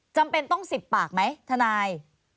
จำเป็นต้อง๑๐ปากไหมทนาย